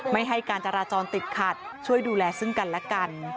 ไม่ให้การจราจรติดขัดช่วยดูแลซึ่งกันและกัน